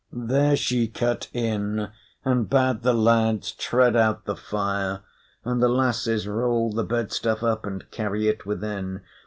There she cut in, and bade the lads tread out the fire, and the lasses roll the bed stuff up and carry it within.